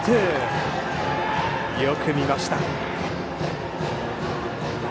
よく見ました。